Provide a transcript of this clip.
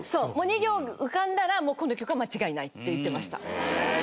２行浮かんだらもうこの曲は間違いない！って言ってました。